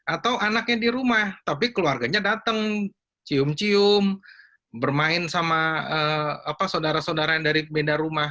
atau anaknya di rumah tapi keluarganya datang cium cium bermain sama saudara saudara yang dari beda rumah